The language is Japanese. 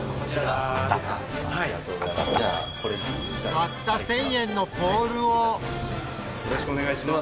たった１，０００円のポールをよろしくお願いします。